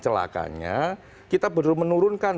celakanya kita benar benar menurunkan